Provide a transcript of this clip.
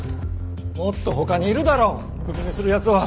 もっとほかにいるだろクビにするやつは。